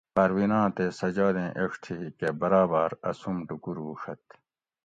پرویناں تے سجادیں ایڄ تھی کہ براباۤر اسوم ڈُوکوروڛت